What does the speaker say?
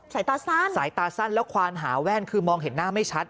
สายตาสั้นสายตาสั้นแล้วควานหาแว่นคือมองเห็นหน้าไม่ชัด